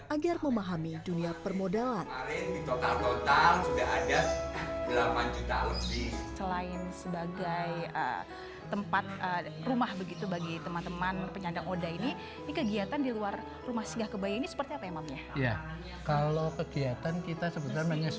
agar memahami dunia permodalan